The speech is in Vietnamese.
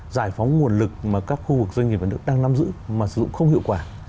giải phóng nguồn lực mà các khu vực doanh nghiệp ở nước đang nắm giữ mà sử dụng không hiệu quả